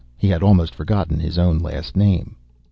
He had almost forgotten his own last name.